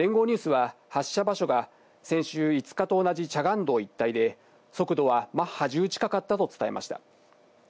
ニュースは発射場所は先週５日と同じチャガン道一帯で速度はマッハ１０近かったと伝えました。